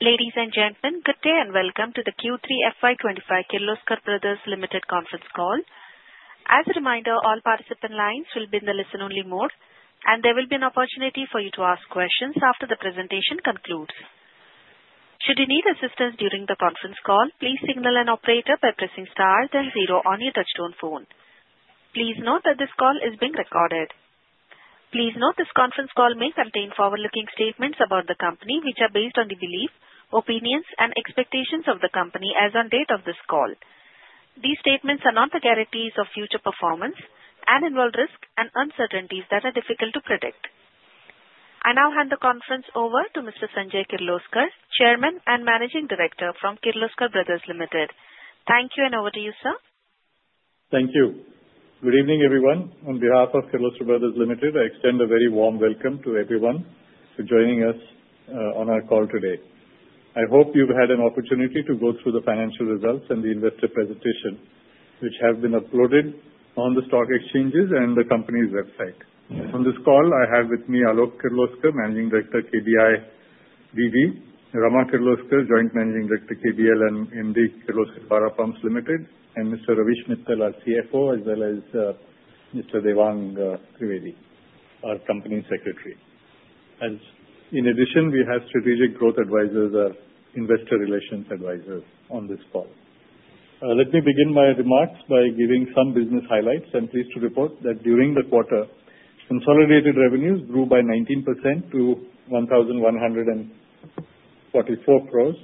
Ladies and gentlemen, good day and welcome to the Q3 FY 2025 Kirloskar Brothers Limited conference call. As a reminder, all participant lines will be in the listen-only mode, and there will be an opportunity for you to ask questions after the presentation concludes. Should you need assistance during the conference call, please signal an operator by pressing star then zero on your touchtone phone. Please note that this call is being recorded. Please note this conference call may contain forward-looking statements about the company, which are based on the belief, opinions, and expectations of the company as on date of this call. These statements are not the guarantees of future performance and involve risks and uncertainties that are difficult to predict. I now hand the conference over to Mr. Sanjay Kirloskar, Chairman and Managing Director from Kirloskar Brothers Limited. Thank you, and over to you, sir. Thank you. Good evening, everyone. On behalf of Kirloskar Brothers Limited, I extend a very warm welcome to everyone for joining us on our call today. I hope you've had an opportunity to go through the financial results and the investor presentation, which have been uploaded on the stock exchanges and the company's website. On this call, I have with me Alok Kirloskar, Managing Director, KBI BV; Rama Kirloskar, Joint Managing Director, KBL and MD Kirloskar Ebara Pumps Limited; and Mr. Ravish Mittal, our CFO, as well as Mr. Devang Trivedi, our Company Secretary. In addition, we have Strategic Growth Advisors, our Investor Relations Advisors, on this call. Let me begin my remarks by giving some business highlights. I'm pleased to report that during the quarter, consolidated revenues grew by 19% to 1,144 crore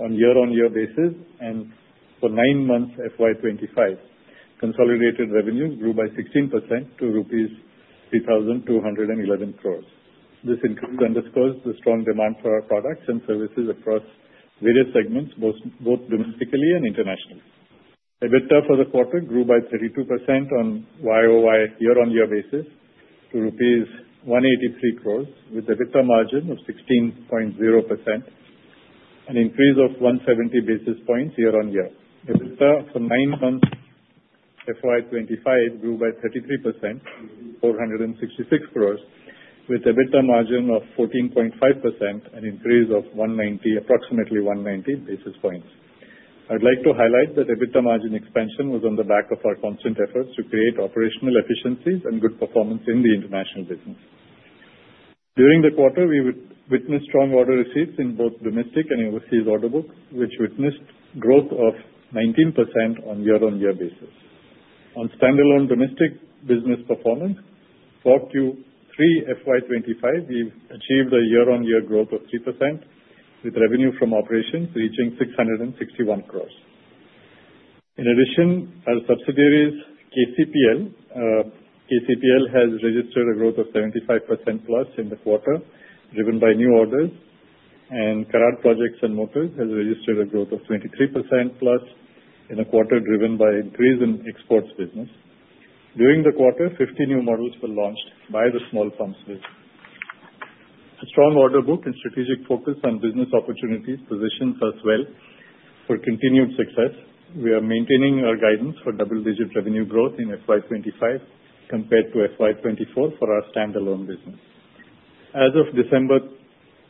on year-on-year basis and for nine months FY 2025. Consolidated revenues grew by 16% to rupees 3,211 crore. This increase underscores the strong demand for our products and services across various segments, both domestically and internationally. EBITDA for the quarter grew by 32% on YoY year-on-year basis to rupees 183 crore, with EBITDA margin of 16.0%, an increase of 170 basis points year-on-year. EBITDA for nine months FY 2025 grew by 33% to 466 crore, with EBITDA margin of 14.5%, an increase of approximately 190 basis points. I'd like to highlight that EBITDA margin expansion was on the back of our constant efforts to create operational efficiencies and good performance in the international business. During the quarter, we witnessed strong order receipts in both domestic and overseas order books, which witnessed growth of 19% on year-on-year basis. On standalone domestic business performance, for Q3 FY 2025, we achieved a year-on-year growth of 3%, with revenue from operations reaching 661 crore. In addition, our subsidiaries, KCPL, has registered a growth of 75% plus in the quarter, driven by new orders, and Karad Projects and Motors has registered a growth of 23% plus in the quarter, driven by an increase in exports business. During the quarter, 50 new models were launched by the small pumps. A strong order book and strategic focus on business opportunities positions us well for continued success. We are maintaining our guidance for double-digit revenue growth in FY 2025 compared to FY 2024 for our standalone business. As of December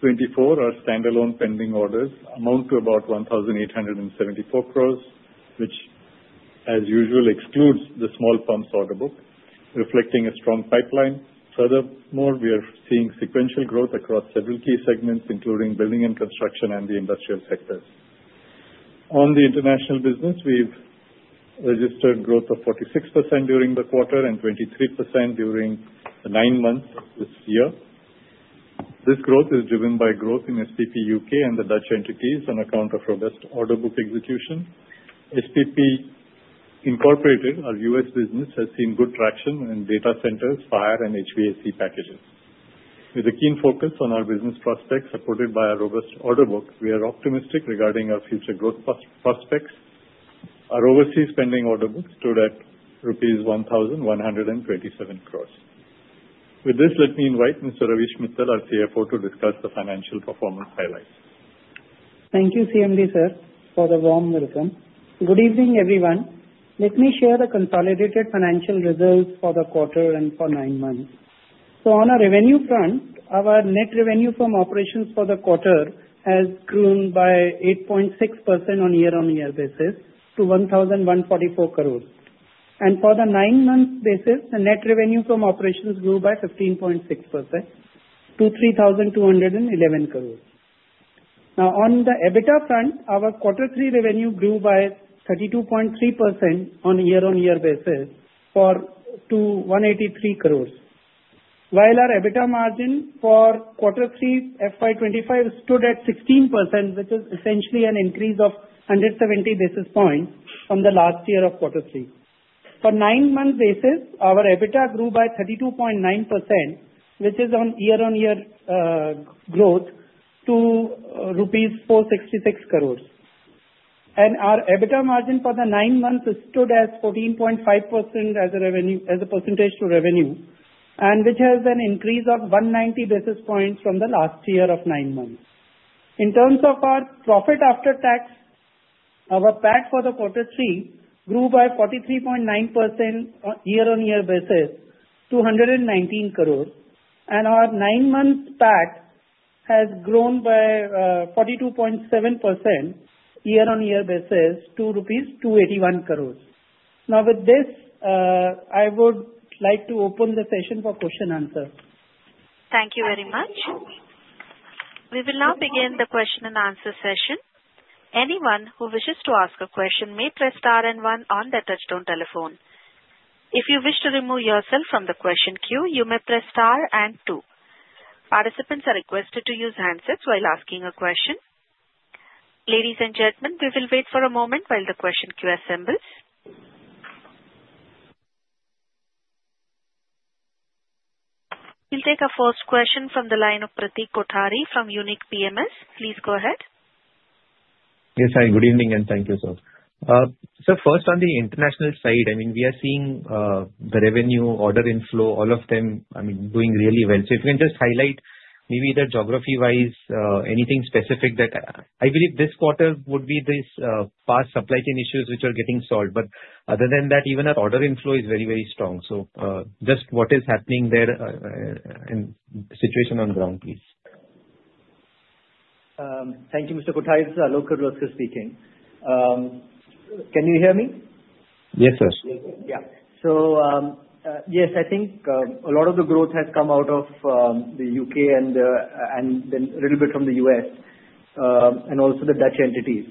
2024, our standalone pending orders amount to about 1,874 crore, which, as usual, excludes the small pumps order book, reflecting a strong pipeline. Furthermore, we are seeing sequential growth across several key segments, including building and construction and the industrial sectors. On the international business, we've registered growth of 46% during the quarter and 23% during the nine months this year. This growth is driven by growth in SPP U.K. and the Dutch entities on account of robust order book execution. SPP Incorporated, our U.S. business, has seen good traction in data centers, fire, and HVAC packages. With a keen focus on our business prospects supported by our robust order book, we are optimistic regarding our future growth prospects. Our overseas pending order book stood at Rs 1,127 crore. With this, let me invite Mr. Ravish Mittal, our CFO, to discuss the financial performance highlights. Thank you, CMD sir, for the warm welcome. Good evening, everyone. Let me share the consolidated financial results for the quarter and for nine months. So, on our revenue front, our net revenue from operations for the quarter has grown by 8.6% on year-on-year basis to 1,144 crore. And for the nine-month basis, the net revenue from operations grew by 15.6% to 3,211 crore. Now, on the EBITDA front, our quarter three revenue grew by 32.3% on a year-on-year basis to 183 crore, while our EBITDA margin for quarter three FY 2025 stood at 16%, which is essentially an increase of 170 basis points from the last year of quarter three. For nine-month basis, our EBITDA grew by 32.9%, which is on year-on-year growth to Rs 466 crore. Our EBITDA margin for the nine months stood at 14.5% as a percentage to revenue, which has an increase of 190 basis points from the last year of nine months. In terms of our profit after tax, our PAT for the quarter three grew by 43.9% year-on-year basis to Rs 119 crore, and our nine-month PAT has grown by 42.7% year-on-year basis to Rs 281 crore. Now, with this, I would like to open the session for question and answer. Thank you very much. We will now begin the question and answer session. Anyone who wishes to ask a question may press star and one on the touch-tone telephone. If you wish to remove yourself from the question queue, you may press star and two. Participants are requested to use handsets while asking a question. Ladies and gentlemen, we will wait for a moment while the question queue assembles. We'll take a first question from the line of Pratik Kothari from Unique PMS. Please go ahead. Yes, hi. Good evening and thank you, sir. Sir, first, on the international side, I mean, we are seeing the revenue, order inflow, all of them, I mean, doing really well. If you can just highlight maybe the geography-wise, anything specific that I believe this quarter would be these past supply chain issues which are getting solved. But other than that, even our order inflow is very, very strong. Just what is happening there and the situation on the ground, please. Thank you, Mr. Kothari. This is Alok Kirloskar speaking. Can you hear me? Yes, sir. Yeah. So yes, I think a lot of the growth has come out of the U.K. and then a little bit from the U.S. and also the Dutch entities.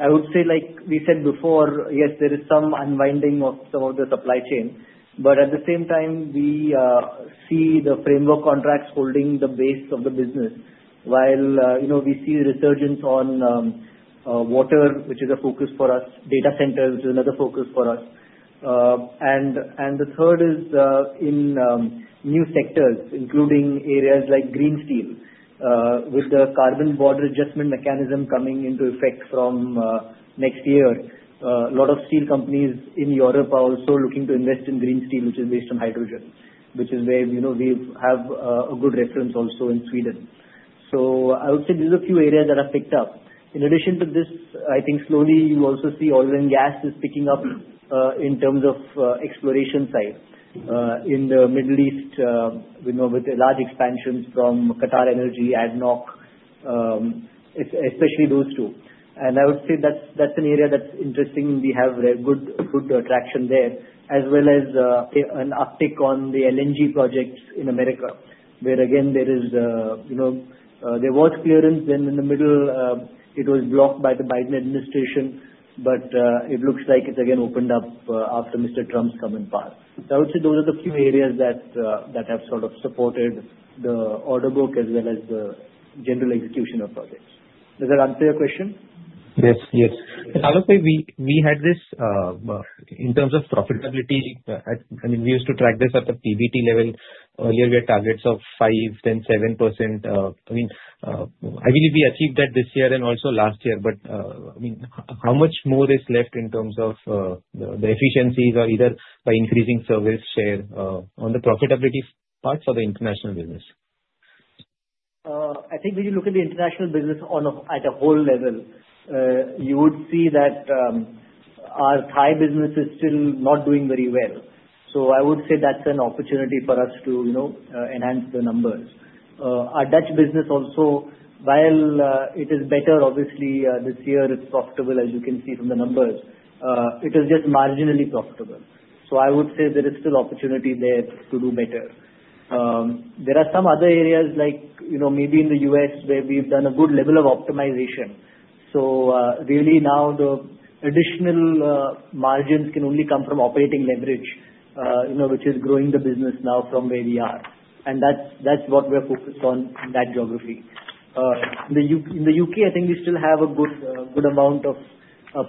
I would say, like we said before, yes, there is some unwinding of some of the supply chain. But at the same time, we see the framework contracts holding the base of the business, while we see a resurgence on water, which is a focus for us, data centers, which is another focus for us. And the third is in new sectors, including areas like green steel, with the Carbon Border Adjustment Mechanism coming into effect from next year. A lot of steel companies in Europe are also looking to invest in green steel, which is based on hydrogen, which is where we have a good reference also in Sweden. So I would say these are a few areas that are picked up. In addition to this, I think slowly you also see oil and gas is picking up in terms of exploration side in the Middle East with large expansions from QatarEnergy, ADNOC, especially those two. And I would say that's an area that's interesting. We have good traction there, as well as an uptick on the LNG projects in America, where, again, there was clearance. Then in the middle, it was blocked by the Biden administration, but it looks like it's again opened up after Mr. Trump's come and passed. So I would say those are the few areas that have sort of supported the order book as well as the general execution of projects. Does that answer your question? Yes, yes. I would say we had this in terms of profitability. I mean, we used to track this at the PBT level. Earlier, we had targets of 5%, then 7%. I mean, I believe we achieved that this year and also last year. But I mean, how much more is left in terms of the efficiencies or either by increasing service share on the profitability part for the international business? I think when you look at the international business at a whole level, you would see that our Thai business is still not doing very well, so I would say that's an opportunity for us to enhance the numbers. Our Dutch business also, while it is better, obviously, this year, it's profitable, as you can see from the numbers. It is just marginally profitable, so I would say there is still opportunity there to do better. There are some other areas, like maybe in the U.S., where we've done a good level of optimization, so really now, the additional margins can only come from operating leverage, which is growing the business now from where we are, and that's what we're focused on in that geography. In the U.K., I think we still have a good amount of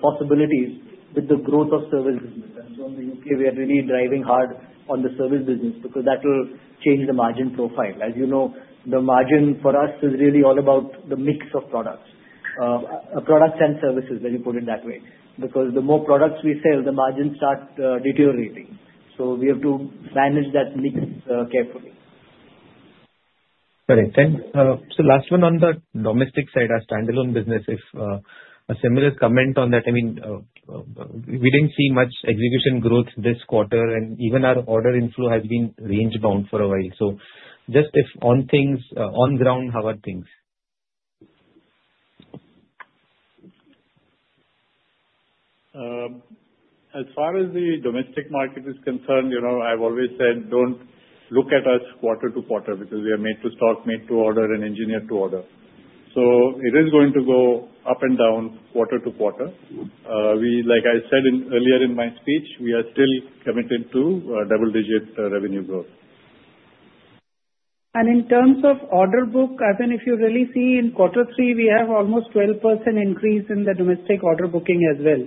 possibilities with the growth of service business. So in the U.K., we are really driving hard on the service business because that will change the margin profile. As you know, the margin for us is really all about the mix of products and services, let me put it that way, because the more products we sell, the margin starts deteriorating. So we have to manage that mix carefully. Got it. And so last one on the domestic side, our standalone business, if a similar comment on that. I mean, we didn't see much execution growth this quarter, and even our order inflow has been range-bound for a while. So just on things on ground, how are things? As far as the domestic market is concerned, I've always said, "Don't look at us quarter to quarter because we are made to stock, made to order, and engineered to order." So it is going to go up and down quarter to quarter. Like I said earlier in my speech, we are still committed to double-digit revenue growth. In terms of order book, I think if you really see in quarter three, we have almost 12% increase in the domestic order booking as well,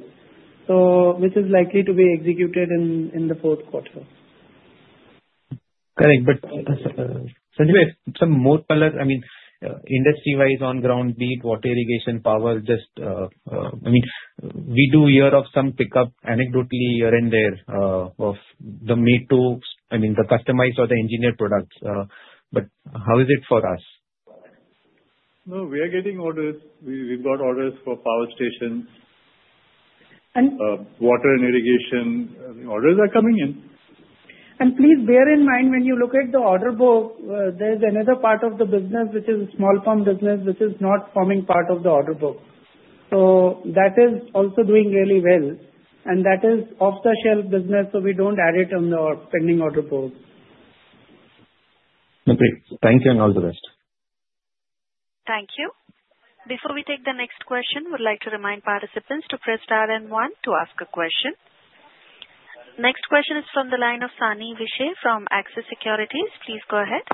which is likely to be executed in the fourth quarter. Got it. But anyway, some more color. I mean, industry-wise, on ground, be it water irrigation, power, just I mean, we do hear of some pickup anecdotally here and there of the made to, I mean, the customized or the engineered products. But how is it for us? No, we are getting orders. We've got orders for power stations, water and irrigation. The orders are coming in. And please bear in mind when you look at the order book, there's another part of the business, which is a small pump business, which is not forming part of the order book. So that is also doing really well. And that is off-the-shelf business, so we don't add it on the pending order book. Okay. Thank you and all the best. Thank you. Before we take the next question, we'd like to remind participants to press star and one to ask a question. Next question is from the line of Sani Vishe from Axis Securities. Please go ahead.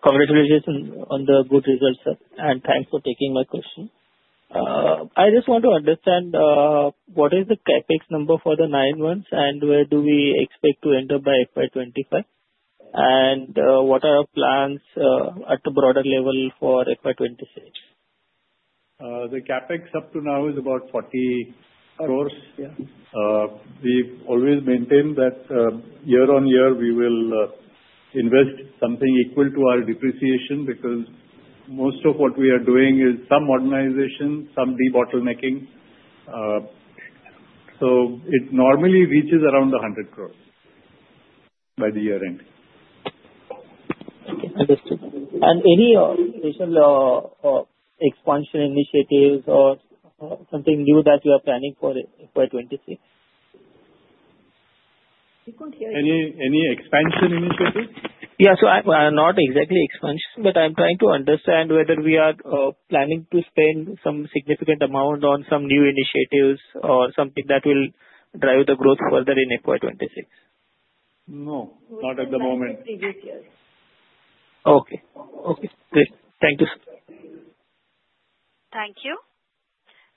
Congratulations on the good results, sir. And thanks for taking my question. I just want to understand, what is the CapEx number for the nine months, and where do we expect to enter by FY 2025? And what are our plans at the broader level for FY 2026? The CapEx up to now is about 40 crore. We've always maintained that year-on-year we will invest something equal to our depreciation because most of what we are doing is some modernization, some debottlenecking, so it normally reaches around 100 crore by the year end. Understood. And any additional expansion initiatives or something new that you are planning for FY 2026? You couldn't hear you. Any expansion initiatives? Yeah, so not exactly expansion, but I'm trying to understand whether we are planning to spend some significant amount on some new initiatives or something that will drive the growth further in FY 2026. No. Not at the moment. Okay. Okay. Thank you, sir. Thank you.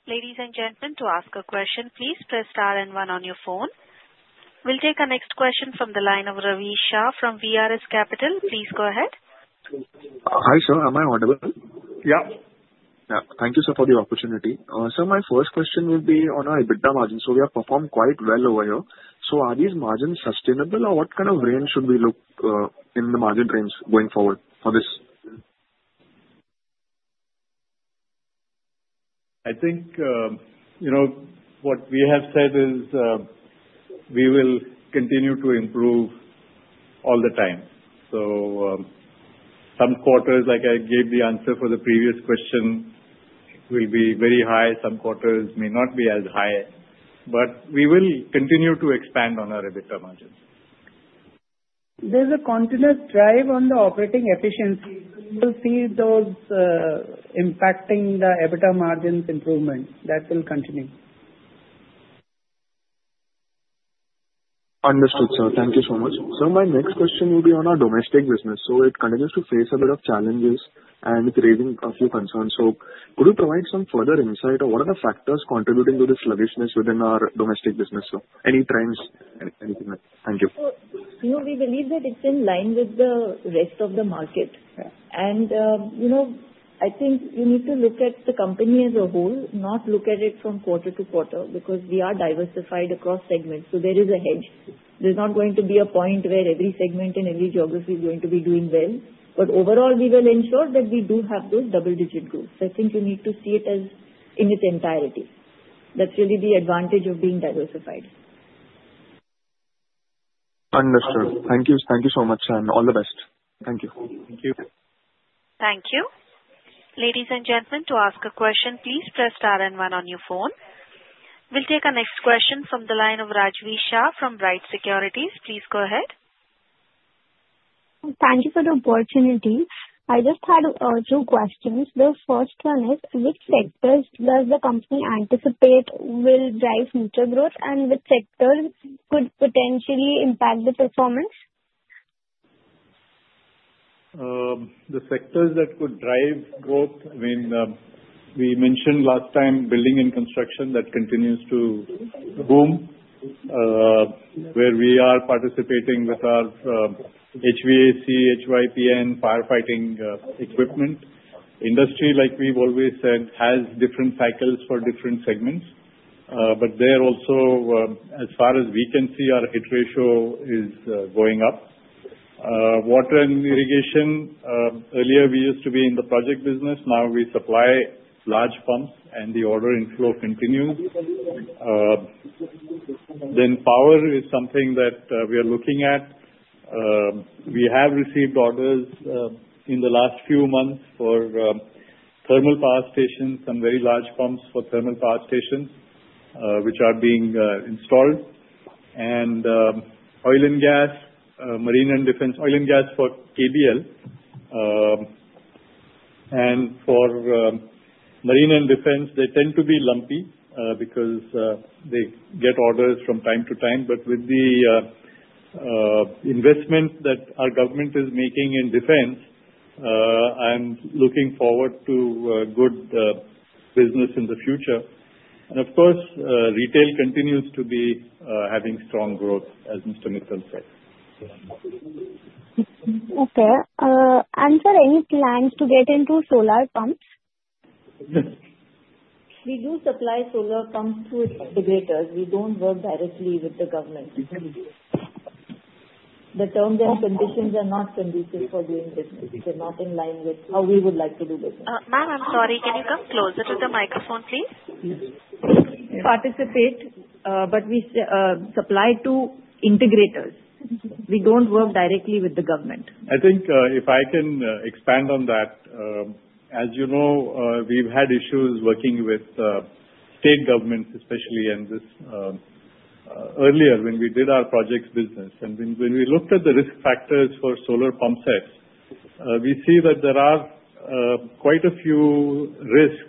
Ladies and gentlemen, to ask a question, please press star and one on your phone. We'll take a next question from the line of [Ravi Shah] from VRS Capital. Please go ahead. Hi, sir. Am I audible? Yeah. Yeah. Thank you, sir, for the opportunity. Sir, my first question would be on our EBITDA margin. So we have performed quite well over here. So are these margins sustainable, or what kind of range should we look in the margin range going forward for this? I think what we have said is we will continue to improve all the time. So some quarters, like I gave the answer for the previous question, will be very high. Some quarters may not be as high. But we will continue to expand on our EBITDA margin. There's a continuous drive on the operating efficiencies. We will see those impacting the EBITDA margin's improvement. That will continue. Understood, sir. Thank you so much. Sir, my next question will be on our domestic business. So it continues to face a bit of challenges, and it's raising a few concerns. So could you provide some further insight on what are the factors contributing to this sluggishness within our domestic business? So any trends, anything like that? Thank you. We believe that it's in line with the rest of the market. And I think you need to look at the company as a whole, not look at it from quarter to quarter, because we are diversified across segments. So there is a hedge. There's not going to be a point where every segment and every geography is going to be doing well. But overall, we will ensure that we do have those double-digit growth. I think you need to see it as in its entirety. That's really the advantage of being diversified. Understood. Thank you. Thank you so much, and all the best. Thank you. Thank you. Thank you. Ladies and gentlemen, to ask a question, please press star and one on your phone. We'll take our next question from the line of [Rajvishkar] from Bright Securities. Please go ahead. Thank you for the opportunity. I just had two questions. The first one is, which sectors does the company anticipate will drive future growth, and which sectors could potentially impact the performance? The sectors that could drive growth. I mean, we mentioned last time building and construction that continues to boom, where we are participating with our HVAC, HYPN, firefighting equipment. Industry, like we've always said, has different cycles for different segments, but there also, as far as we can see, our hit ratio is going up. Water and irrigation: earlier we used to be in the project business. Now we supply large pumps, and the order inflow continues, then power is something that we are looking at. We have received orders in the last few months for thermal power stations, some very large pumps for thermal power stations, which are being installed, and oil and gas, marine and defense: oil and gas for KBL, and for marine and defense, they tend to be lumpy because they get orders from time to time. But with the investment that our government is making in defense, I'm looking forward to good business in the future. And of course, retail continues to be having strong growth, as Mr. Mittal said. Okay. And, sir, any plans to get into solar pumps? Yes. We do supply solar pumps to integrators. We don't work directly with the government. The terms and conditions are not conducive for doing business. They're not in line with how we would like to do business. Ma'am, I'm sorry. Can you come closer to the microphone, please? We participate, but we supply to integrators. We don't work directly with the government. I think if I can expand on that, as you know, we've had issues working with state governments, especially earlier when we did our projects business, and when we looked at the risk factors for solar pump sets, we see that there are quite a few risks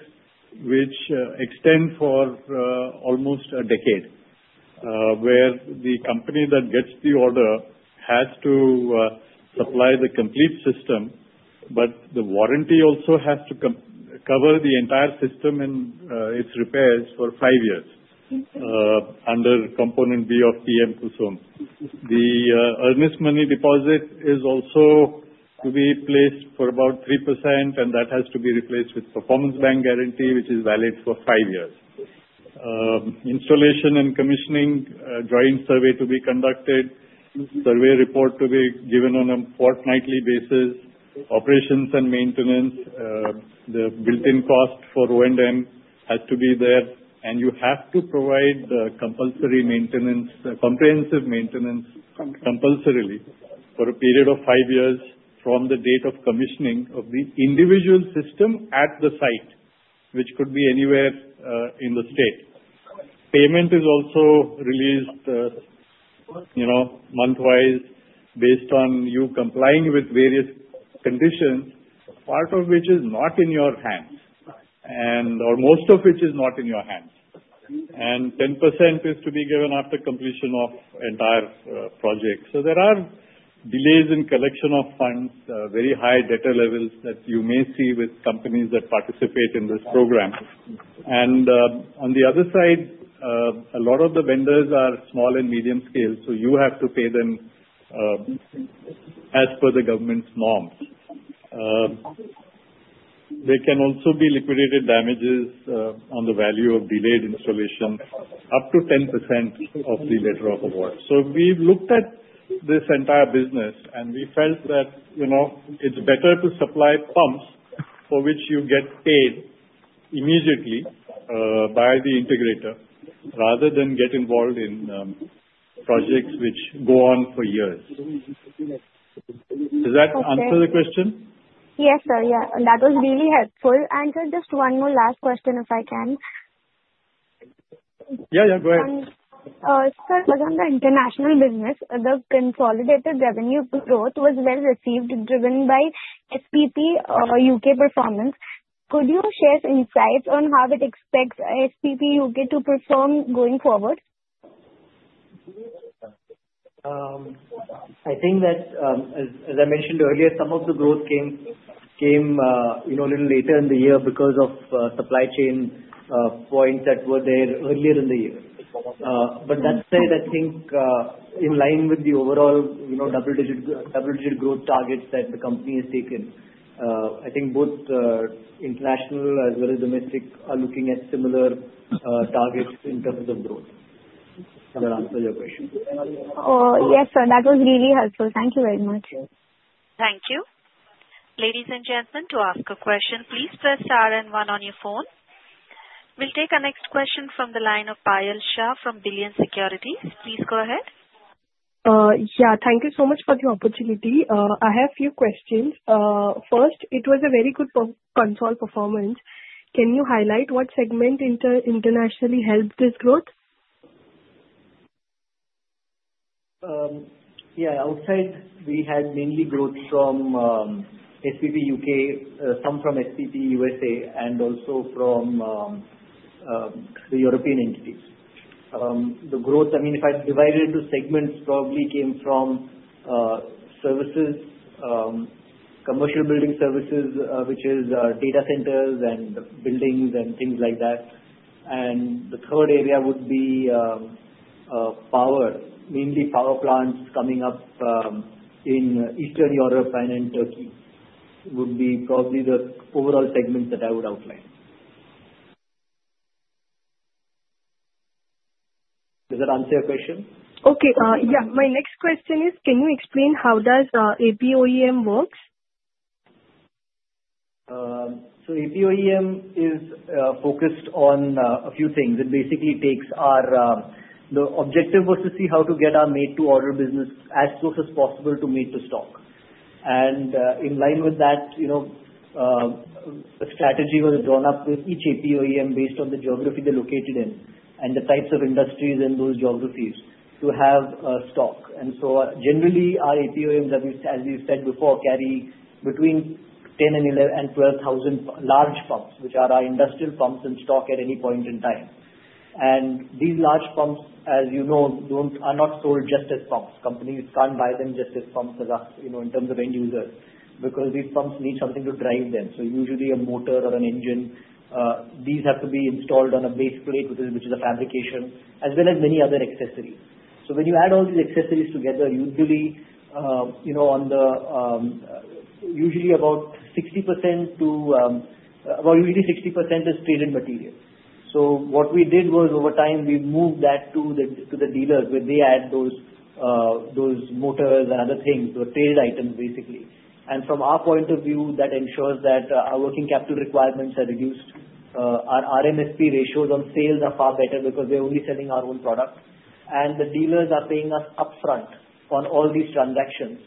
which extend for almost a decade, where the company that gets the order has to supply the complete system, but the warranty also has to cover the entire system and its repairs for five years under Component B of PM-KUSUM. The earnest money deposit is also to be placed for about 3%, and that has to be replaced with performance bank guarantee, which is valid for five years. Installation and commissioning, joint survey to be conducted, survey report to be given on a fortnightly basis, operations and maintenance, the built-in cost for O&M has to be there. You have to provide the compulsory maintenance, comprehensive maintenance compulsorily for a period of five years from the date of commissioning of the individual system at the site, which could be anywhere in the state. Payment is also released month-wise based on you complying with various conditions, part of which is not in your hands, or most of which is not in your hands. 10% is to be given after completion of the entire project. There are delays in collection of funds, very high debtor levels that you may see with companies that participate in this program. On the other side, a lot of the vendors are small and medium scale, so you have to pay them as per the government's norms. There can also be liquidated damages on the value of delayed installation, up to 10% of the letter of award. We've looked at this entire business, and we felt that it's better to supply pumps for which you get paid immediately by the integrator rather than get involved in projects which go on for years. Does that answer the question? Yes, sir. Yeah. That was really helpful, and just one more last question, if I can. Yeah, yeah. Go ahead. Sir, regarding the international business, the consolidated revenue growth was well received, driven by SPP U.K. performance. Could you share insights on how it expects SPP U.K. to perform going forward? I think that, as I mentioned earlier, some of the growth came a little later in the year because of supply chain points that were there earlier in the year. But that said, I think in line with the overall double-digit growth targets that the company has taken, I think both international as well as domestic are looking at similar targets in terms of growth. That answers your question. Yes, sir. That was really helpful. Thank you very much. Thank you. Ladies and gentlemen, to ask a question, please press star and one on your phone. We'll take our next question from the line of [Payal Shah] from Billion Securities. Please go ahead. Yeah. Thank you so much for the opportunity. I have a few questions. First, it was a very good consolidated performance. Can you highlight what segment internationally helped this growth? Yeah. Outside, we had mainly growth from SPP U.K., some from SPP U.S.A., and also from the European entities. The growth, I mean, if I divide it into segments, probably came from services, commercial building services, which is data centers and buildings and things like that. And the third area would be power, mainly power plants coming up in Eastern Europe and in Turkey would be probably the overall segment that I would outline. Does that answer your question? Okay. Yeah. My next question is, can you explain how does APOEM work? APOEM is focused on a few things. Basically, the objective was to see how to get our made-to-order business as close as possible to made-to-stock. In line with that, a strategy was drawn up with each APOEM based on the geography they're located in and the types of industries in those geographies to have stock. Generally, our APOEMs, as we've said before, carry between 10 and 12 thousand large pumps, which are our industrial pumps, in stock at any point in time. These large pumps, as you know, are not sold just as pumps. Companies can't buy them just as pumps in terms of end users because these pumps need something to drive them. Usually a motor or an engine, these have to be installed on a base plate, which is a fabrication, as well as many other accessories. So when you add all these accessories together, usually about 60% is traded material. What we did was, over time, we moved that to the dealers where they add those motors and other things, those traded items, basically, and from our point of view, that ensures that our working capital requirements are reduced. Our ROCE or S&MP ratios on sales are far better because we're only selling our own product, and the dealers are paying us upfront on all these transactions,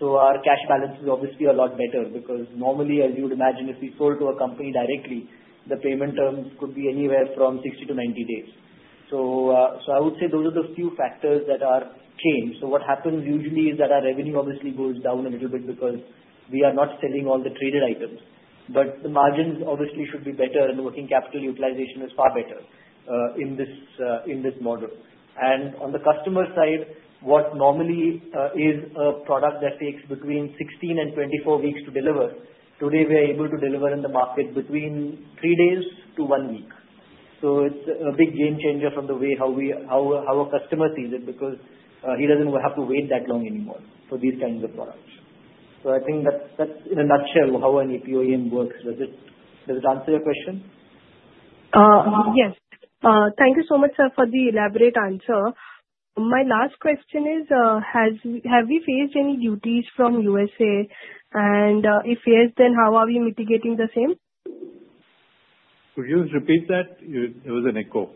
so our cash balance is obviously a lot better because normally, as you would imagine, if we sold to a company directly, the payment terms could be anywhere from 60 to 90 days. I would say those are the few factors that are changed. So what happens usually is that our revenue obviously goes down a little bit because we are not selling all the traded items. But the margins obviously should be better, and working capital utilization is far better in this model. And on the customer side, what normally is a product that takes between 16 and 24 weeks to deliver, today we are able to deliver in the market between three days to one week. So it's a big game changer from the way how a customer sees it because he doesn't have to wait that long anymore for these kinds of products. So I think that's in a nutshell how an APOEM works. Does it answer your question? Yes. Thank you so much, sir, for the elaborate answer. My last question is, have we faced any duties from U.S.A.? And if yes, then how are we mitigating the same? Could you repeat that? There was an echo.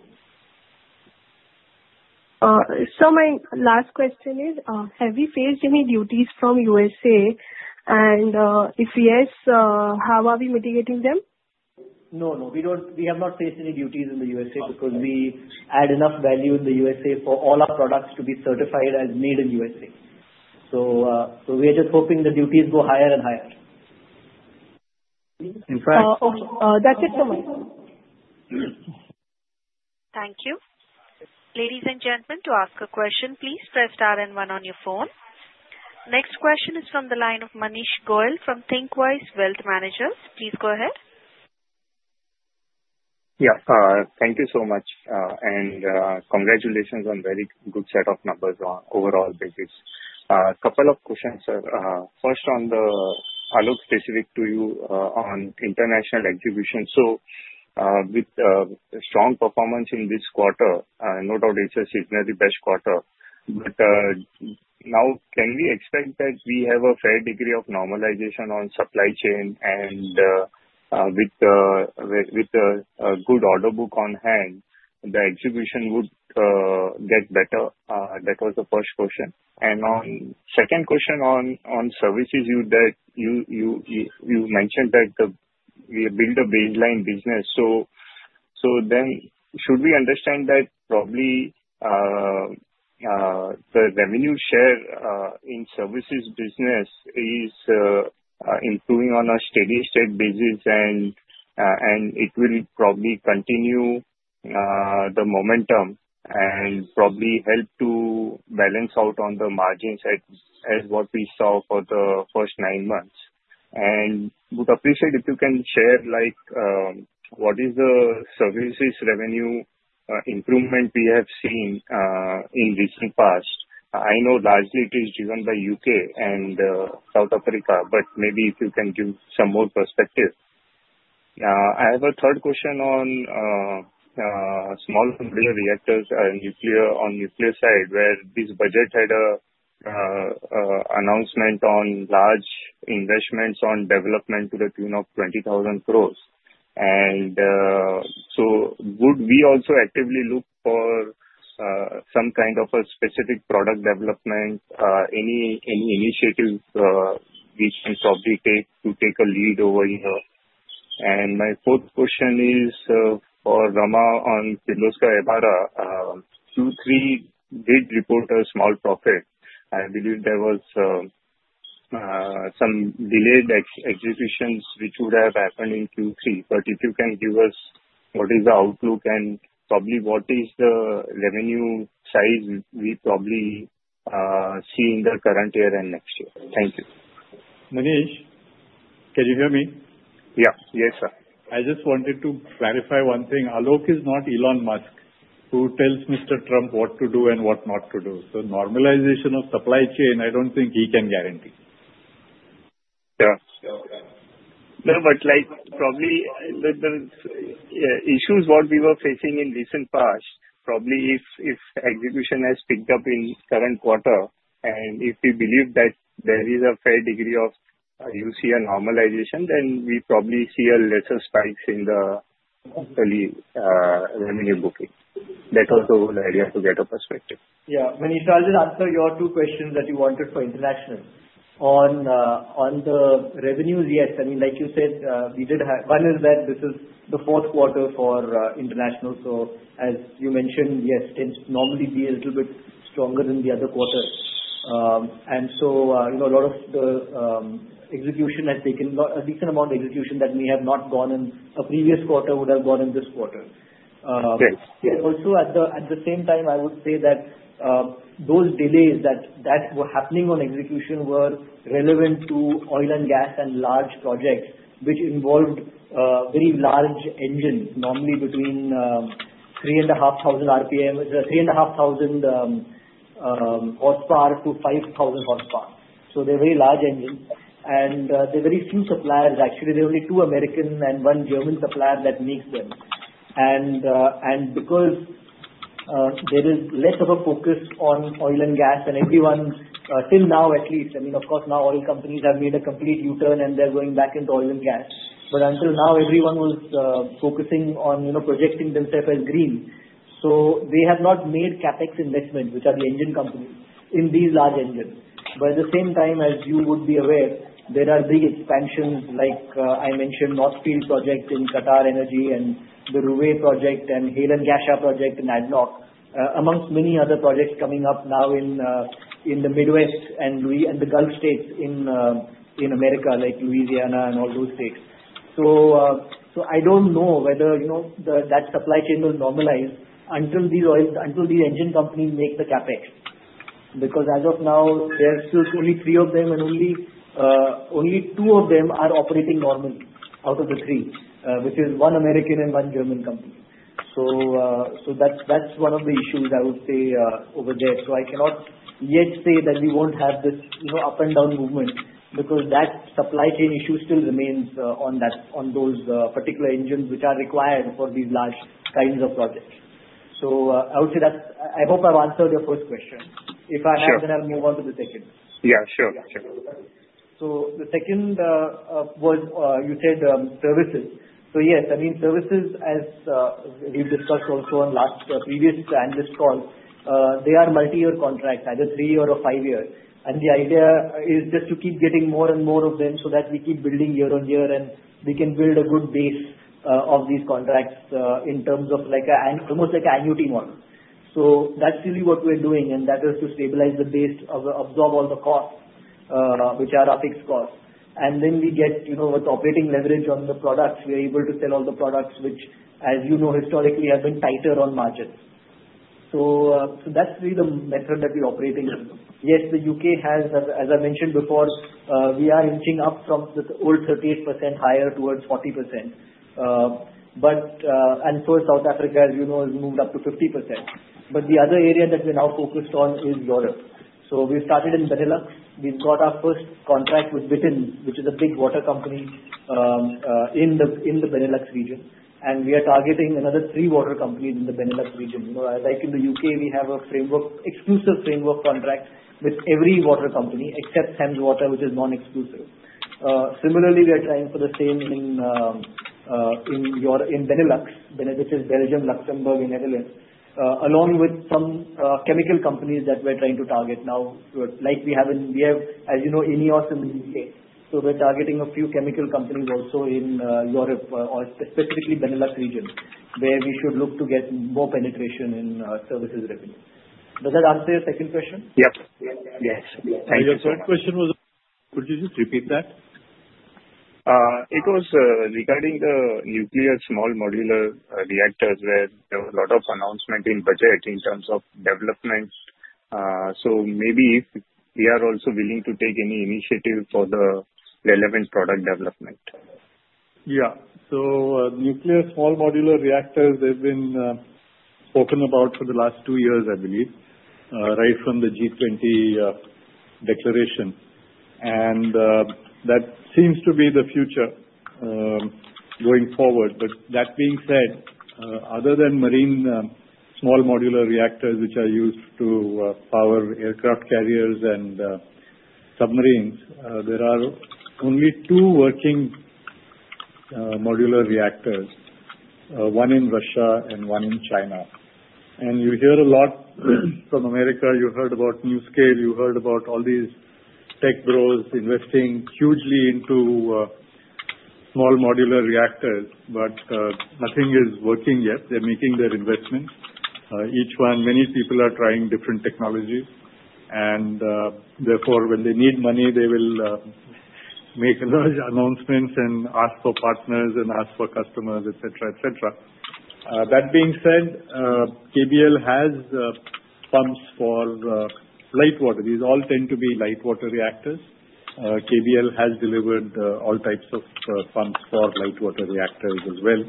Sir, my last question is, have we faced any duties from U.S.A.? And if yes, how are we mitigating them? No, no. We have not faced any duties in the U.S.A. because we add enough value in the U.S.A. for all our products to be certified as made in U.S.A. So we are just hoping the duties go higher and higher. In fact. That's it from me. Thank you. Ladies and gentlemen, to ask a question, please press star and one on your phone. Next question is from the line of Manish Goyal from Thinkwise Wealth Managers. Please go ahead. Yeah. Thank you so much. And congratulations on a very good set of numbers on overall basis. A couple of questions, sir. First, on the international specific to you on international execution. So with strong performance in this quarter, no doubt it's a signal the best quarter. But now, can we expect that we have a fair degree of normalization on supply chain? And with a good order book on hand, the execution would get better. That was the first question. And second question on services, you mentioned that we build a baseline business. So then should we understand that probably the revenue share in services business is improving on a steady state basis, and it will probably continue the momentum and probably help to balance out on the margins as what we saw for the first nine months. Would appreciate if you can share what is the services revenue improvement we have seen in recent past. I know largely it is driven by U.K. and South Africa, but maybe if you can give some more perspective. I have a third question on small nuclear reactors on nuclear side, where this budget had an announcement on large investments on development to the tune of 20,000 crore. So would we also actively look for some kind of a specific product development, any initiative we can probably take to take a lead over here? My fourth question is for Rama on Kirloskar Ebara. Q3 did report a small profit. I believe there was some delayed executions which would have happened in Q3. But if you can give us what is the outlook and probably what is the revenue size we probably see in the current year and next year? Thank you. Manish, can you hear me? Yeah. Yes, sir. I just wanted to clarify one thing. Alok is not Elon Musk, who tells Mr. Trump what to do and what not to do. So, normalization of supply chain, I don't think he can guarantee. Yeah. No, but probably the issues what we were facing in recent past, probably if execution has picked up in current quarter, and if we believe that there is a fair degree of you see a normalization, then we probably see a lesser spike in the revenue booking. That was the whole idea to get a perspective. Yeah. Manish, I'll just answer your two questions that you wanted for international. On the revenues, yes. I mean, like you said, we did have one is that this is the fourth quarter for international. So as you mentioned, yes, it tends to normally be a little bit stronger than the other quarter. And so a lot of the execution has taken a decent amount of execution that may have not gone in a previous quarter would have gone in this quarter. And also at the same time, I would say that those delays that were happening on execution were relevant to oil and gas and large projects, which involved very large engines, normally between 3,500 RPM, 3,500 horsepower to 5,000 horsepower. So they're very large engines. And there are very few suppliers. Actually, there are only two American and one German supplier that makes them. Because there is less of a focus on oil and gas, and everyone till now at least, I mean, of course, now oil companies have made a complete U-turn and they're going back into oil and gas. Until now, everyone was focusing on projecting themselves as green. They have not made CapEx investment, which are the engine companies, in these large engines. At the same time, as you would be aware, there are big expansions like I mentioned, North Field Project in QatarEnergy and the Ruwais Project and Hail & Ghasha Project in ADNOC, amongst many other projects coming up now in the Midwest and the Gulf States in America, like Louisiana and all those states. I don't know whether that supply chain will normalize until these engine companies make the CapEx. Because as of now, there's still only three of them, and only two of them are operating normally out of the three, which is one American and one German company. So that's one of the issues I would say over there. So I cannot yet say that we won't have this up and down movement because that supply chain issue still remains on those particular engines, which are required for these large kinds of projects. So I would say that I hope I've answered your first question. If I have, then I'll move on to the second. Yeah. Sure. Sure. So the second was you said services. Yes, I mean, services, as we've discussed also on last previous and this call, they are multi-year contracts, either three-year or five-year. The idea is just to keep getting more and more of them so that we keep building year on year and we can build a good base of these contracts in terms of almost like an annuity model. That's really what we're doing, and that is to stabilize the base of absorb all the costs, which are our fixed costs. Then we get with operating leverage on the products, we are able to sell all the products, which, as you know, historically have been tighter on margins. That's really the method that we operate in. Yes, the U.K. has, as I mentioned before, we are inching up from the old 38% higher towards 40%. South Africa, as you know, has moved up to 50%. The other area that we're now focused on is Europe. We started in Benelux. We've got our first contract with Vitens, which is a big water company in the Benelux region. We are targeting another three water companies in the Benelux region. Like in the U.K., we have an exclusive framework contract with every water company except Thames Water, which is non-exclusive. Similarly, we are trying for the same in Benelux, which is Belgium, Luxembourg, and Netherlands, along with some chemical companies that we're trying to target now. Like we have, as you know, INEOS in the U.K. We're targeting a few chemical companies also in Europe, specifically Benelux region, where we should look to get more penetration in services revenue. Does that answer your second question? Yes. Yes. Your third question was, could you just repeat that? It was regarding the nuclear small modular reactors where there was a lot of announcement in budget in terms of development, so maybe we are also willing to take any initiative for the relevant product development. Yeah. So nuclear small modular reactors, they've been spoken about for the last two years, I believe, right from the G20 declaration. And that seems to be the future going forward. But that being said, other than marine small modular reactors, which are used to power aircraft carriers and submarines, there are only two working modular reactors, one in Russia and one in China. And you hear a lot from America. You heard about NuScale. You heard about all these tech bros investing hugely into small modular reactors, but nothing is working yet. They're making their investments. Each one, many people are trying different technologies. And therefore, when they need money, they will make large announcements and ask for partners and ask for customers, etc., etc. That being said, KBL has pumps for light water. These all tend to be light water reactors. KBL has delivered all types of pumps for light water reactors as well,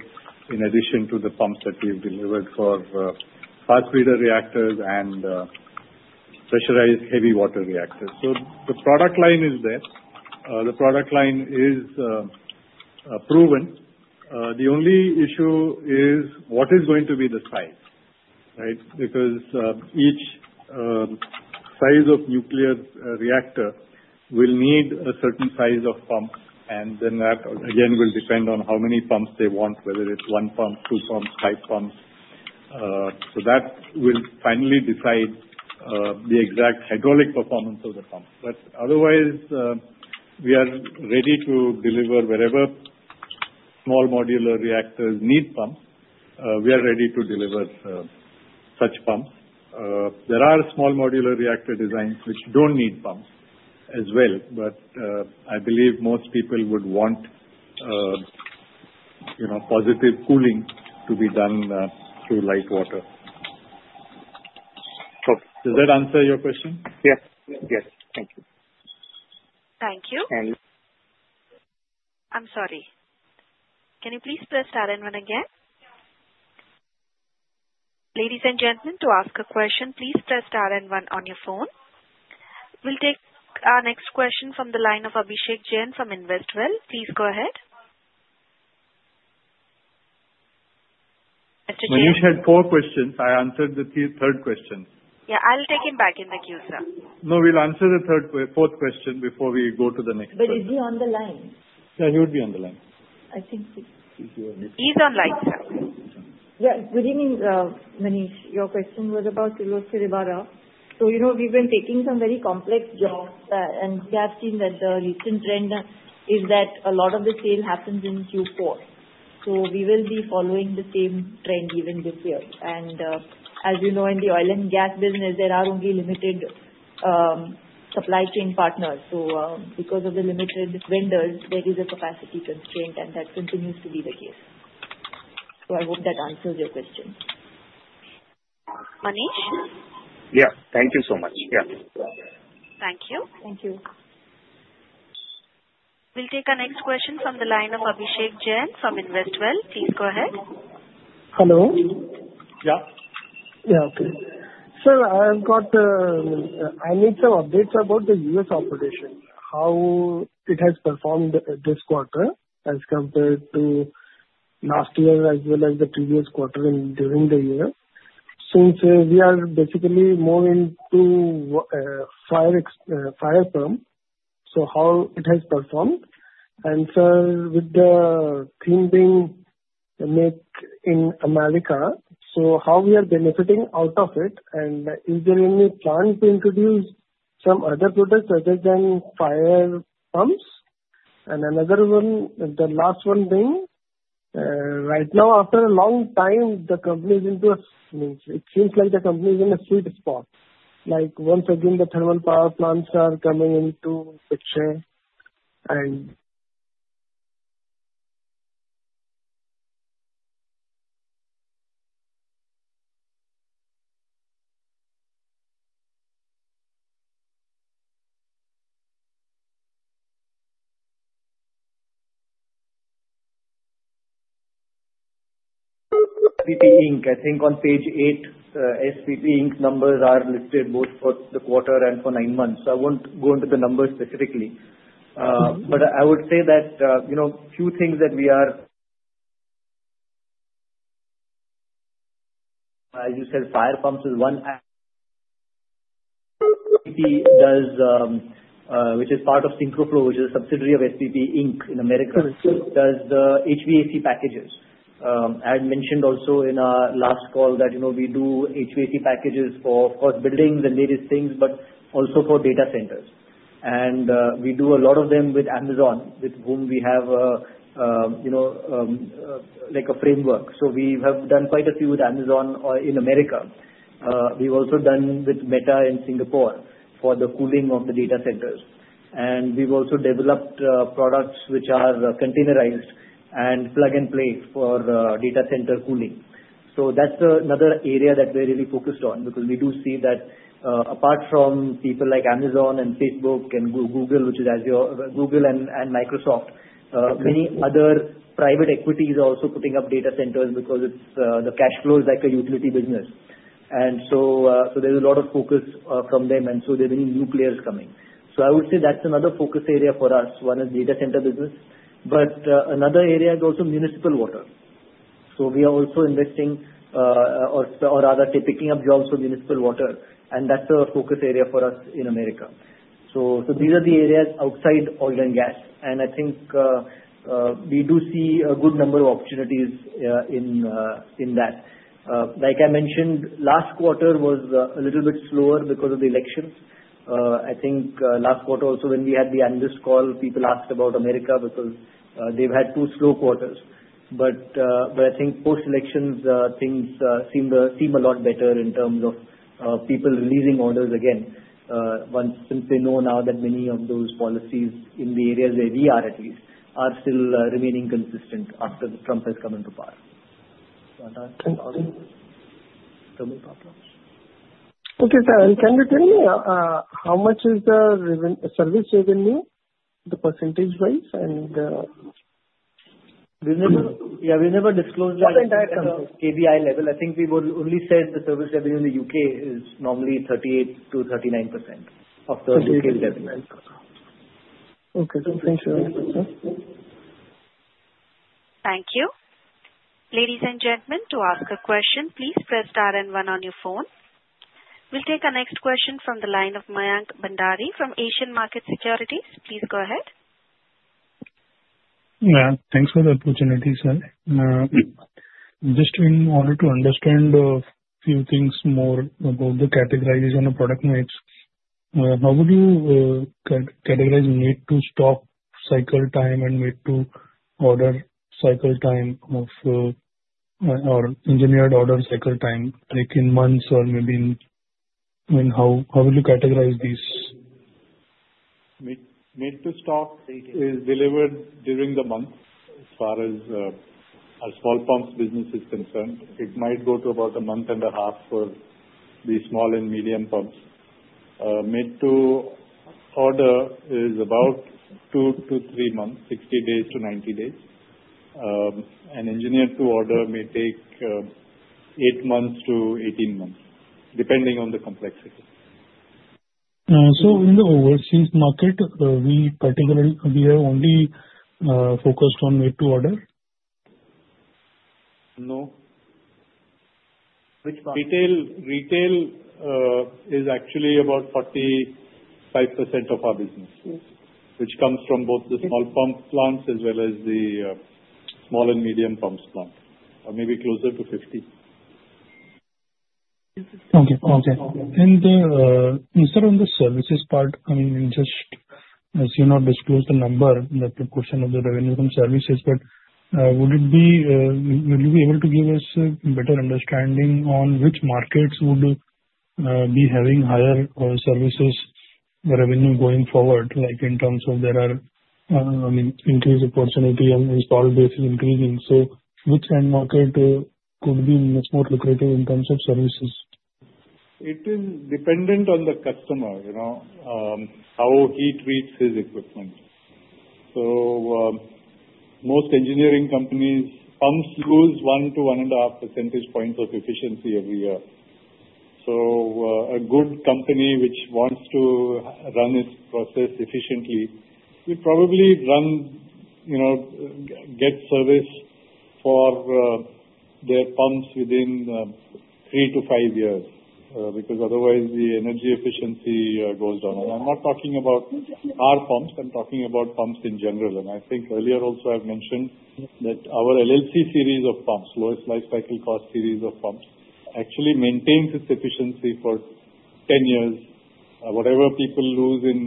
in addition to the pumps that we've delivered for fast breeder reactors and pressurized heavy water reactors. So the product line is there. The product line is proven. The only issue is what is going to be the size, right? Because each size of nuclear reactor will need a certain size of pump, and then that again will depend on how many pumps they want, whether it's one pump, two pumps, five pumps. So that will finally decide the exact hydraulic performance of the pump. But otherwise, we are ready to deliver wherever small modular reactors need pumps. We are ready to deliver such pumps. There are small modular reactor designs which don't need pumps as well, but I believe most people would want positive cooling to be done through light water. Okay. Does that answer your question? Yes. Yes. Thank you. Thank you. And. I'm sorry. Can you please press star and one again? Ladies and gentlemen, to ask a question, please press star and one on your phone. We'll take our next question from the line of Abhishek Jain from Investwell. Please go ahead. Mr. Jain? Manish had four questions. I answered the third question. Yeah. I'll take him back in the queue, sir. No, we'll answer the fourth question before we go to the next question. But is he on the line? Yeah, he would be on the line. I think so. He's on line, sir. Yeah. What do you mean, Manish? Your question was about Kirloskar Ebara. So we've been taking some very complex jobs, and we have seen that the recent trend is that a lot of the sale happens in Q4. So we will be following the same trend even this year. And as you know, in the oil and gas business, there are only limited supply chain partners. So because of the limited vendors, there is a capacity constraint, and that continues to be the case. So I hope that answers your question. Manish? Yeah. Thank you so much. Yeah. Thank you. Thank you. We'll take our next question from the line of Abhishek Jain from Investwell. Please go ahead. Hello. Yeah. Yeah. Okay. So I need some updates about the U.S. operation, how it has performed this quarter as compared to last year as well as the previous quarter and during the year. Since we are basically moving to Buy American, so how it has performed. And so with the theme being made in America, so how we are benefiting out of it, and is there any plan to introduce some other products other than fire pumps? And another one, the last one being, right now, after a long time, the company is into it. It seems like the company is in a sweet spot. Like once again, the thermal power plants are coming into the picture. And SPP Inc., I think on page eight, SPP Inc. numbers are listed both for the quarter and for nine months. So I won't go into the numbers specifically. But I would say that a few things that we are, as you said, fire pumps is one SPP does, which is part of SyncroFlo, which is a subsidiary of SPP Inc. in America, does the HVAC packages. I had mentioned also in our last call that we do HVAC packages for, of course, buildings and various things, but also for data centers. We do a lot of them with Amazon, with whom we have a framework. So we have done quite a few with Amazon in America. We have also done with Meta in Singapore for the cooling of the data centers. We have also developed products which are containerized and plug and play for data center cooling. That's another area that we're really focused on because we do see that apart from people like Amazon and Facebook and Google, which is Google and Microsoft, many other private equities are also putting up data centers because the cash flow is like a utility business. There's a lot of focus from them, and there are many new players coming. I would say that's another focus area for us. One is data center business. Another area is also municipal water. We are also investing or rather picking up jobs for municipal water. That's a focus area for us in America. These are the areas outside oil and gas. I think we do see a good number of opportunities in that. Like I mentioned, last quarter was a little bit slower because of the elections. I think last quarter also, when we had the analyst call, people asked about America because they've had two slow quarters. But I think post-elections, things seem a lot better in terms of people releasing orders again, since they know now that many of those policies in the areas where we are at least are still remaining consistent after Trump has come into power. So I don't think there are any problems. Okay. Can you tell me how much is the service revenue, the percentage-wise? And we never disclosed that. Not the entire country. KBI level, I think we only said the service revenue in the U.K. is normally 38%-39% of the U.K.'s revenue. Okay. Thank you. Thank you. Ladies and gentlemen, to ask a question, please press star and one on your phone. We'll take our next question from the line of Mayank Bhandari from Asian Markets Securities. Please go ahead. Mayank, thanks for the opportunity, sir. Just in order to understand a few things more about the categorization of product mix, how would you categorize made-to-stock cycle time and made-to-order cycle time, or engineered-to-order cycle time, like in months or maybe in how would you categorize these? Made-to-stock is delivered during the month as far as our small pumps business is concerned. It might go to about a month and a half for the small and medium pumps. Made-to-order is about two to three months, 60 days to 90 days. An engineered-to-order may take eight months to 18 months, depending on the complexity. So in the overseas market, we have only focused on made-to-order? No. Which part? Retail is actually about 45% of our business, which comes from both the small pumps plant as well as the small and medium pumps plant, or maybe closer to 50%. Okay. Okay. Instead of the services part, I mean, just as you know, disclose the number, the portion of the revenue from services. But would you be able to give us a better understanding on which markets would be having higher services revenue going forward, like in terms of there are increased opportunity and installed bases increasing? So which end market could be much more lucrative in terms of services? It is dependent on the customer, how he treats his equipment. So most engineering companies' pumps lose 1-1.5 percentage points of efficiency every year. So a good company which wants to run its process efficiently would probably get service for their pumps within three to five years because otherwise the energy efficiency goes down. And I'm not talking about our pumps. I'm talking about pumps in general. And I think earlier also I've mentioned that our LLC series of pumps, Lowest Lifecycle Cost series of pumps, actually maintains its efficiency for 10 years. Whatever people lose in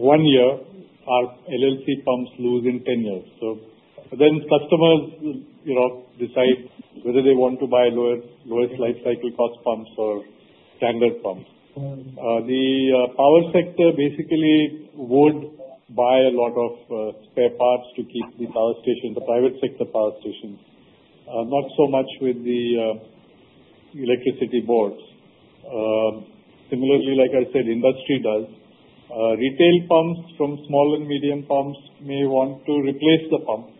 one year, our LLC pumps lose in 10 years. So then customers decide whether they want to buy Lowest Lifecycle Cost pumps or standard pumps. The power sector basically would buy a lot of spare parts to keep the power stations, the private sector power stations, not so much with the electricity boards. Similarly, like I said, industry does. Retail pumps from small and medium pumps may want to replace the pump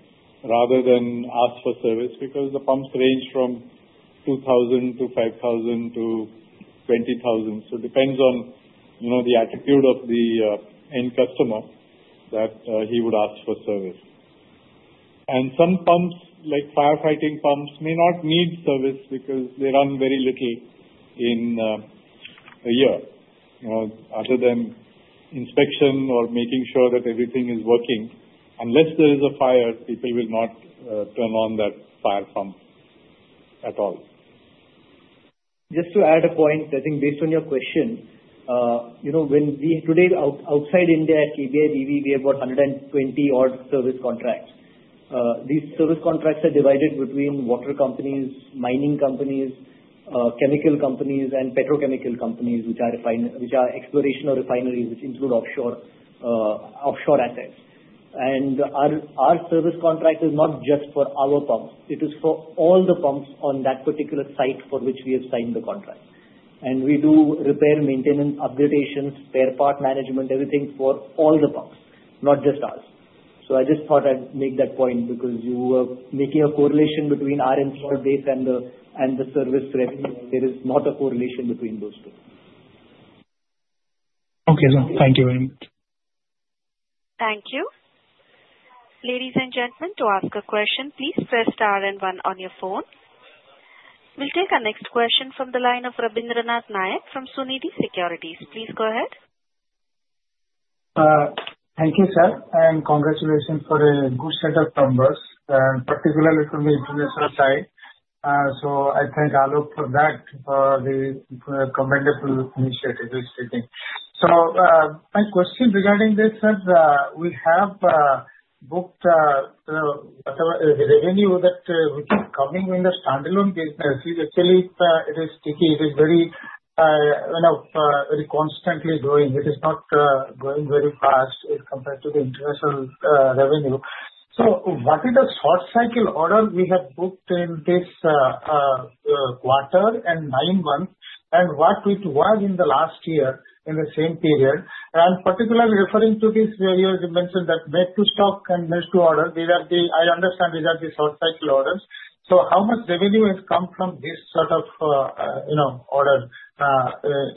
rather than ask for service because the pumps range from 2,000 to 5,000 to 20,000, so it depends on the attitude of the end customer that he would ask for service, and some pumps, like firefighting pumps, may not need service because they run very little in a year. Other than inspection or making sure that everything is working, unless there is a fire, people will not turn on that fire pump at all. Just to add a point, I think based on your question, today outside India, KBI, we have about 120-odd service contracts. These service contracts are divided between water companies, mining companies, chemical companies, and petrochemical companies, which are exploration or refineries, which include offshore assets. And our service contract is not just for our pumps. It is for all the pumps on that particular site for which we have signed the contract. And we do repair, maintenance, upgradations, spare part management, everything for all the pumps, not just us. So I just thought I'd make that point because you were making a correlation between our installed base and the service revenue. There is not a correlation between those two. Okay. Thank you very much. Thank you. Ladies and gentlemen, to ask a question, please press star and one on your phone. We'll take our next question from the line of Rabindra Nath Nayak from Sunidhi Securities. Please go ahead. Thank you, sir. And congratulations for a good set of numbers, particularly from the international side. So I thank Alok for that, for the commendable initiative he's taking. So my question regarding this, sir, we have booked the revenue that which is coming in the standalone business is actually it is sticky. It is very constantly growing. It is not going very fast compared to the international revenue. So what is the short cycle order we have booked in this quarter and nine months, and what it was in the last year in the same period? And particularly referring to this, you mentioned that made-to-stock and made-to-order, I understand these are the short cycle orders. So how much revenue has come from this sort of order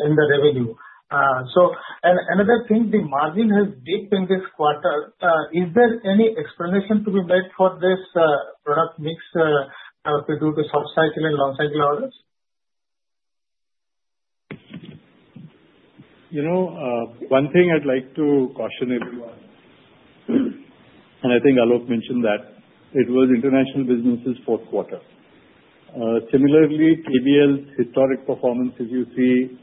in the revenue? And another thing, the margin has dipped in this quarter. Is there any explanation to be made for this product mix due to short cycle and long cycle orders? One thing I'd like to caution everyone, and I think Alok mentioned that. It was international businesses' fourth quarter. Similarly, KBL's historic performance, as you see.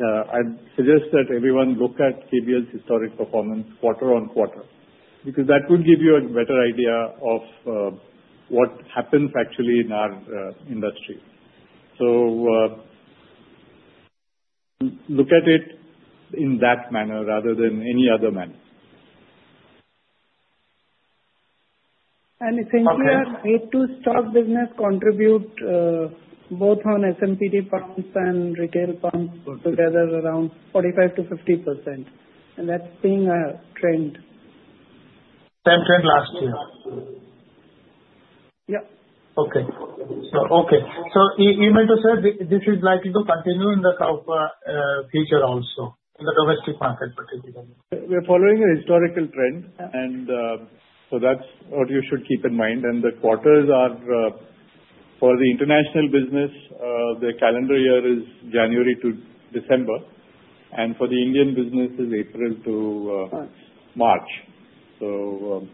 I'd suggest that everyone look at KBL's historic performance quarter on quarter because that will give you a better idea of what happens actually in our industry so look at it in that manner rather than any other manner. It seems like made-to-stock business contributes both on S&MP pumps and retail pumps together around 45%-50%. That's being a trend. Same trend last year. Yeah. Okay. Okay. So you meant to say this is likely to continue in the future also, in the domestic market particularly? We're following a historical trend. And so that's what you should keep in mind. And the quarters are for the international business, the calendar year is January to December. And for the Indian business, it's April to March. So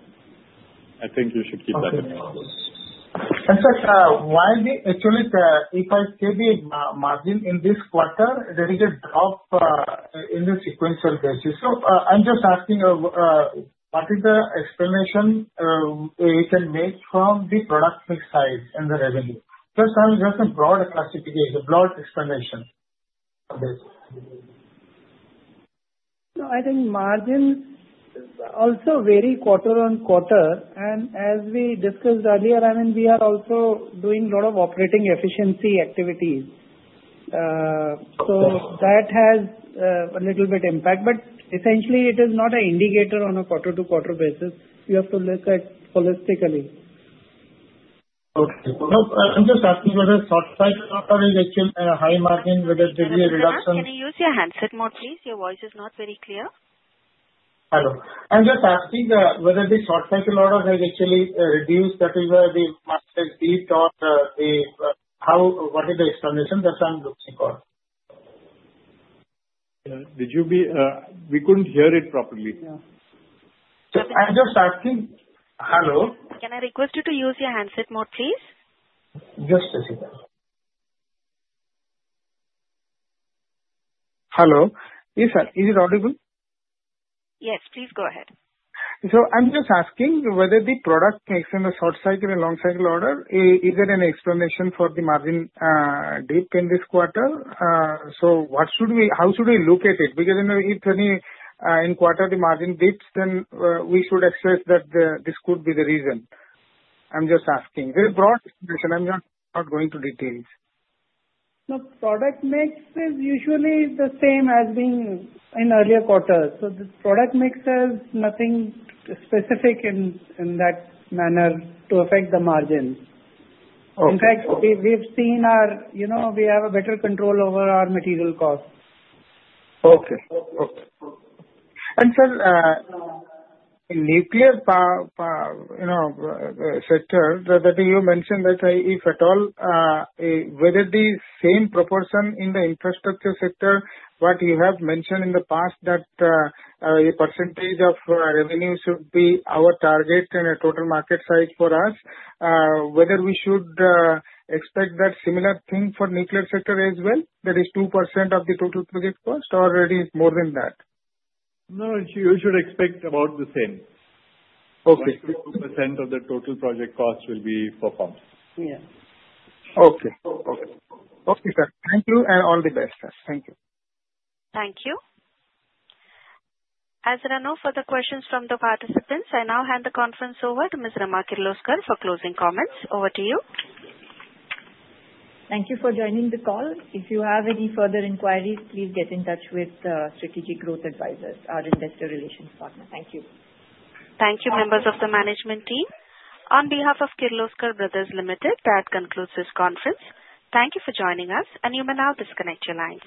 I think you should keep that in mind. Sir, why is it actually that if I say the margin in this quarter, there is a drop in the sequential basis? So I'm just asking what is the explanation you can make from the product mix size and the revenue? Just a broad classification, broad explanation of this. So, I think margin also varies quarter on quarter. And as we discussed earlier, I mean, we are also doing a lot of operating efficiency activities. So that has a little bit of impact. But essentially, it is not an indicator on a quarter-to-quarter basis. You have to look at it holistically. Okay. I'm just asking whether short cycle order is actually a high margin, whether there is a reduction? Can you use your handset mode, please? Your voice is not very clear. Hello. I'm just asking whether the short cycle order has actually reduced, that is why the market has dipped, or what is the explanation that I'm looking for? Did you be? We couldn't hear it properly. I'm just asking. Hello. Can I request you to use your handset mode, please? Just a second. Hello. Yes, sir. Is it audible? Yes. Please go ahead. I'm just asking whether the product mix in a short cycle and long cycle order is there an explanation for the margin dipping this quarter. So how should we look at it? Because if in a quarter the margin dips, then we should assess that this could be the reason. I'm just asking. There's a broad explanation. I'm not going into details. The product mix is usually the same as in earlier quarters. So the product mix has nothing specific in that manner to affect the margin. In fact, we've seen we have a better control over our material costs. Okay. Okay, and sir, in the nuclear sector, that you mentioned that if at all, whether the same proportion in the infrastructure sector, what you have mentioned in the past that a percentage of revenue should be our target and a total market size for us, whether we should expect that similar thing for nuclear sector as well, that is 2% of the total project cost, or is it more than that? No, you should expect about the same. 2% of the total project cost will be for pumps. Yeah. Okay. Okay. Okay, sir. Thank you and all the best, sir. Thank you. Thank you. As there are no further questions from the participants, I now hand the conference over to Ms. Rama Kirloskar for closing comments. Over to you. Thank you for joining the call. If you have any further inquiries, please get in touch with Strategic Growth Advisors, our investor relations partner. Thank you. Thank you, members of the management team. On behalf of Kirloskar Brothers Limited, that concludes this conference. Thank you for joining us, and you may now disconnect your lines.